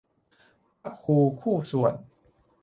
พระครูคู่สวด